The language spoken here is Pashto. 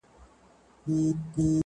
• د کور هر غړی مات او بې وسه ښکاري..